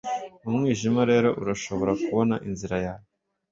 mu mwijima rero urashobora kubona inzira yawe.